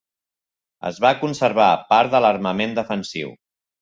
Es va conservar part de l'armament defensiu.